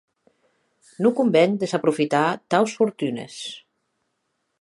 Non conven desaprofitar taus fortunes.